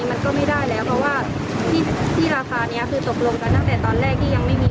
ใช่ค่ะเขารับในราคานี้หนูก็ส่งไปให้เขานะคะ